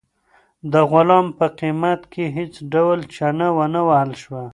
د غلام په قیمت کې هیڅ ډول چنه ونه وهل شوه.